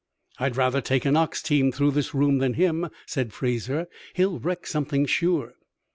"I'd rather take an ox team through this room than him," said Fraser. "He'll wreck something, sure."